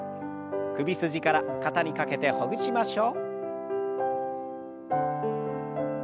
首筋から肩にかけてほぐしましょう。